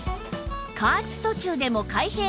加圧途中でも開閉可能